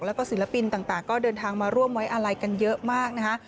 แล้วก็ศิลปินต่างก็เดินทางมาร่วมไว้อาลัยกันเยอะมากนะคะ